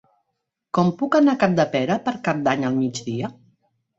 Com puc anar a Capdepera per Cap d'Any al migdia?